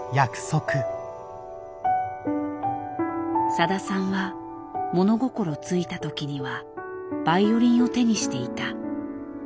さださんは物心付いたときにはバイオリンを手にしていた。